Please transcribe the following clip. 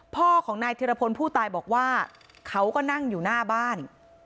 พ่อของนายธิรพลผู้ตายบอกว่าเขาก็นั่งอยู่หน้าบ้าน